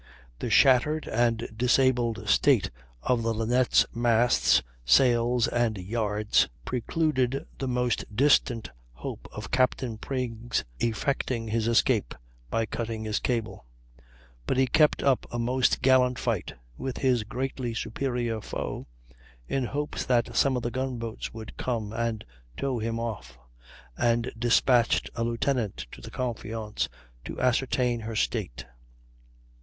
The shattered and disabled state of the Linnet's masts, sails, and yards precluded the most distant hope of Capt. Pring's effecting his escape by cutting his cable; but he kept up a most gallant fight with his greatly superior foe, in hopes that some of the gun boats would come and tow him off, and despatched a lieutenant to the Confiance to ascertain her state.